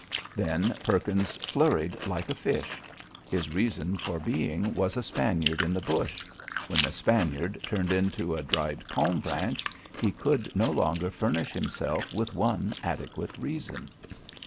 Then Perkins flurried like a fish. His reason for being was a Spaniard in the bush. When the Spaniard turned into a dried palm branch, he could no longer furnish himself with one adequate reason.